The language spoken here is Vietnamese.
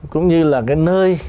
cũng như là cái nơi